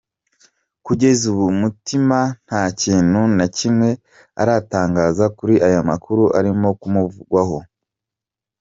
Kugeza ubu Mutiima nta kintu na kimwe aratangaza kuri aya makuru arimo kumuvugwaho.